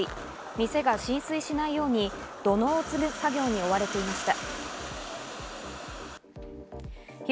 店が浸水しないように、土のうを積む作業に追われていました。